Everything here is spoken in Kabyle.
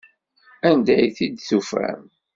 Anda ay t-id-tufam?